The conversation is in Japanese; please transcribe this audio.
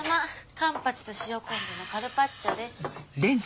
カンパチと塩昆布のカルパッチョです。